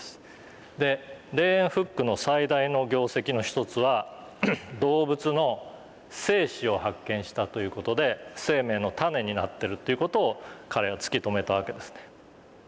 でレーウェンフックの最大の業績の一つは動物の精子を発見したという事で生命の種になってるという事を彼は突き止めたわけですね。